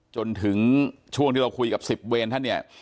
จนถึงช่วงที่เราคุยกับ๑๐เวรท่านเนี่ย